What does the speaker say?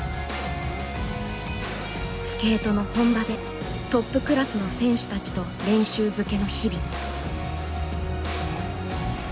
スケートの本場でトップクラスの選手たちと練習漬けの日々。